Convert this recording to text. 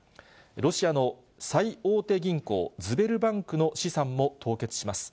ロシアの最大手銀行、ズベルバンクの資産も凍結します。